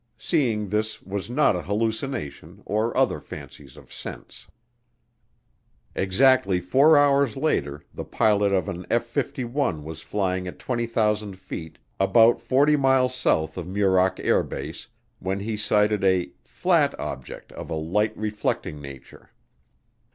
Seeing this was not a hallucination or other fancies of sense. Exactly four hours later the pilot of an F 51 was flying at 20,000 feet about 40 miles south of Muroc Air Base when he sighted a "flat object of a light reflecting nature."